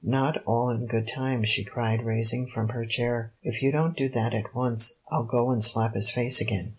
"Not all in good time," she cried, rising from her chair. "If you don't do that at once, I'll go and slap his face again."